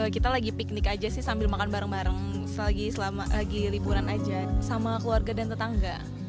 kita lagi piknik aja sih sambil makan bareng bareng lagi liburan aja sama keluarga dan tetangga